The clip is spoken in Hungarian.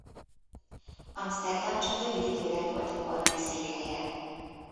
Amszterdam csak rövid időre volt a kormány székhelye.